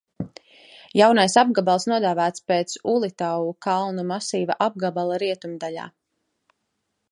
Jaunais apgabals nodēvēts pēc Ulitau kalnu masīva apgabala rietumdaļā.